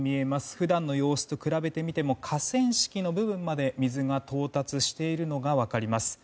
普段の様子と比べてみましても河川敷の部分まで水が到達しているのが分かります。